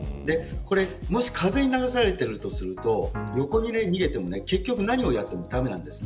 もし、風に流されているとすると横に逃げても結局何をやっても駄目なんです。